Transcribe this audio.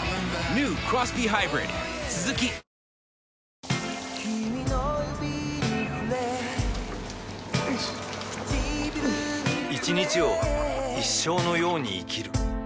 このあと一日を一生のように生きる